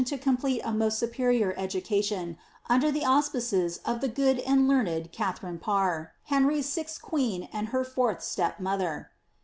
to complete a moet superior education under the auspices of the good and learned Katharine Parr, Henry's sixth queen and her fourth step mother.